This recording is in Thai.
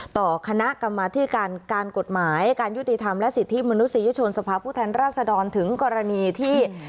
ต่อคณะกรรมธิการการกฎหมายการยุติธรรมและสิทธิมนุษยชนสภาพผู้แทนราชดรถึงกรณีที่